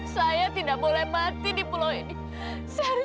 saya tidak bisa melihat apa apa kanda